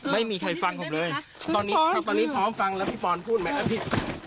ไม่มีใครฟังผมเลยตอนนี้ตอนนี้พร้อมฟังแล้วพี่ปอนพูดไหมครับพี่